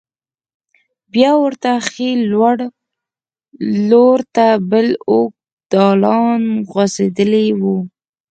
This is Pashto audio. بیا ورته ښې لور ته بل اوږد دالان غوځېدلی و.